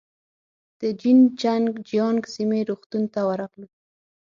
د جين چنګ جيانګ سیمې روغتون ته ورغلو.